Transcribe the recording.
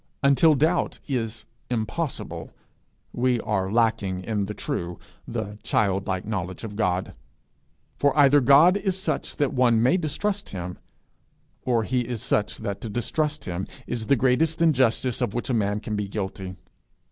Until doubt is impossible, we are lacking in the true, the childlike knowledge of God; for either God is such that one may distrust him, or he is such that to distrust him is the greatest injustice of which a man can be guilty.